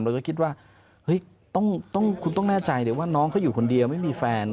คิดว่าคุณต้องแน่ใจเลยว่าน้องเขาอยู่คนเดียวไม่มีแฟน